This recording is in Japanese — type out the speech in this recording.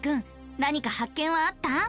なにか発見はあった？